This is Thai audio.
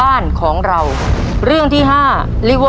คำถามทั้งหมด๕เรื่องมีดังนี้ครับ